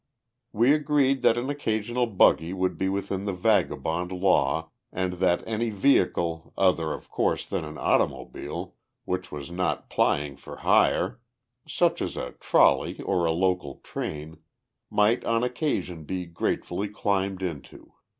We agreed that an occasional buggy would be within the vagabond law and that any vehicle, other, of course, than an automobile, which was not plying for hire such as a trolley or a local train might on occasion be gratefully climbed into.